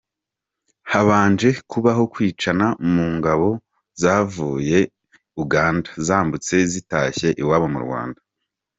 Habanje kubaho kwicana mu ngabo zavuye Uganda zambutse zitashye iwabo mu Rwanda.